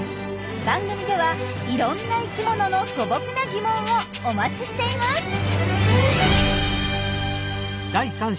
番組ではいろんな生きものの素朴な疑問をお待ちしています！